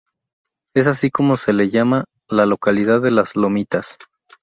Es así como se la llama "La Localidad de Las Lomitas".